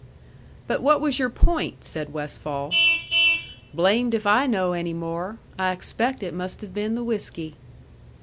"But what was your point?" said Westfall. "Blamed if I know any more. I expect it must have been the whiskey."